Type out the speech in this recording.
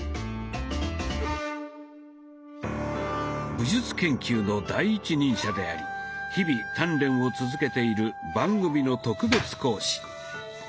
武術研究の第一人者であり日々鍛錬を続けている番組の特別講師